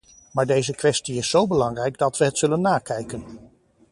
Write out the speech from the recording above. Maar deze kwestie is zo belangrijk dat we het zullen nakijken.